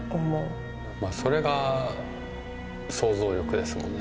まあそれが想像力ですもんね。